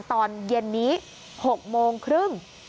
ตอนเย็นนี้๖โมงครึ่ง